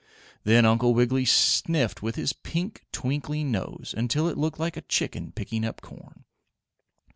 Then Uncle Wiggily sniffed with his pink, twinkling nose until it looked like a chicken picking up corn.